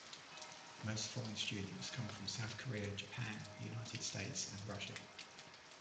Most foreign students come from South Korea, Japan, the United States and Russia.